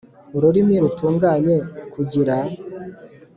ururimi rutunganye z kugira